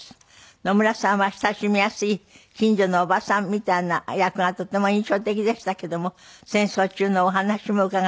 野村さんは親しみやすい近所のおばさんみたいな役がとっても印象的でしたけども戦争中のお話も伺っております。